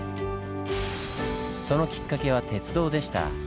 そのきっかけは鉄道でした。